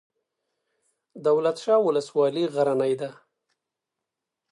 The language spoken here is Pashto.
دولت شاه ولسوالۍ غرنۍ ده؟